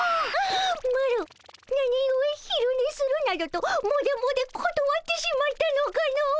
マロなにゆえひるねするなどとモデモデことわってしまったのかの。